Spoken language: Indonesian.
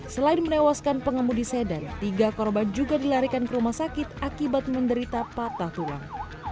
selain menewaskan pengemudi sedan tiga korban juga dilarikan ke rumah sakit akibat menderita patah tulang